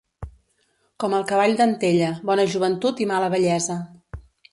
Com el cavall d'Antella: bona joventut i mala vellesa.